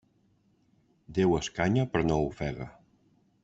Déu escanya però no ofega.